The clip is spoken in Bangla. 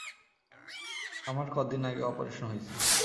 আমার কদিন আগে অপারেশন হইছে।